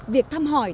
việc thăm hỏi